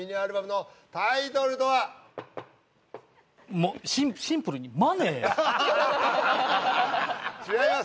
もうシンプルにマネー違います！